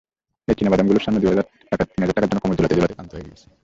এই চিনাবাদামগুলোর সামনে তিন হাজার টাকার জন্য কোমর দুলাতে দুলাতে ক্লান্ত হয়ে গিয়েছি।